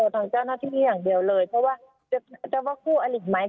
ทางเจ้าหน้าที่อย่างเดียวเลยเพราะว่าจะว่าคู่อลิกไหม